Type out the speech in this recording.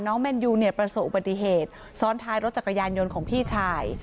แมนยูเนี่ยประสบอุบัติเหตุซ้อนท้ายรถจักรยานยนต์ของพี่ชาย